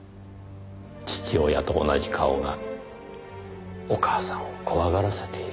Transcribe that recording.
父親と同じ顔がお母さんを怖がらせている。